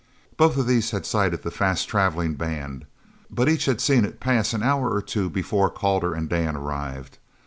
Both of these had sighted the fast travelling band, but each had seen it pass an hour or two before Calder and Dan arrived.